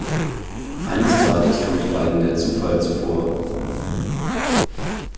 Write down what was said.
Eines Tages kommt beiden der Zufall zuvor.